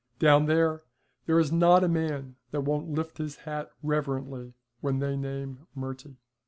Down there there is not a man that won't lift his hat reverently when they name Murty.